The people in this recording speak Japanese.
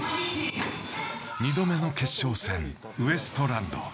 ２度目の決勝戦、ウエストランド。